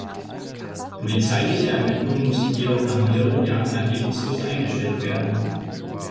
Polizeiliche Ermittlungen mussten jedoch nach mehreren Jahren ergebnislos eingestellt werden.